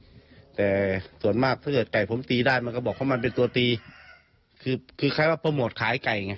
แต่ส่วนมากถ้าเกิดไก่ผมตีได้มันก็บอกว่ามันเป็นตัวตีคือคือคล้ายว่าโปรโมทขายไก่ไง